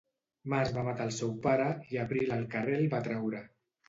Març va matar el seu pare i abril al carrer el va traure.